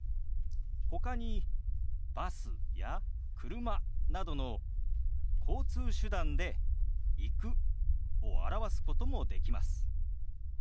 ほかにバスや車などの交通手段で「行く」を表すこともできます。